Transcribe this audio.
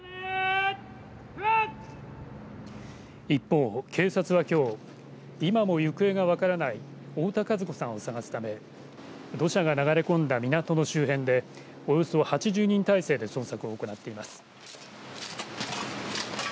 一方、警察は、きょう今も行方が分からない太田和子さんを捜すため土砂が流れ込んだ港の周辺でおよそ８０人態勢で捜索を行っています。